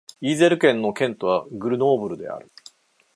イゼール県の県都はグルノーブルである